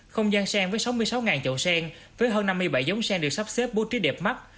không gian sen với sáu mươi sáu chậu sen với hơn năm mươi bảy giống sen được sắp xếp bố trí đẹp mắt